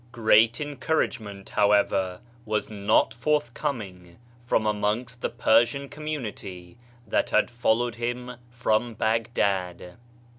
Great encouragement, however, was not forthcoming from amongst the Persian community that had followed him from Baghdad.